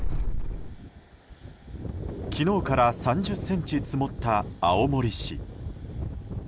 昨日から３０ｃｍ積もった青森市。